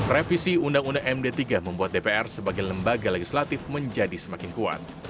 revisi undang undang md tiga membuat dpr sebagai lembaga legislatif menjadi semakin kuat